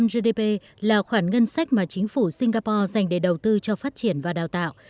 một mươi gdp là khoản ngân sách mà chính phủ singapore dành để đầu tư cho phát triển và đào tạo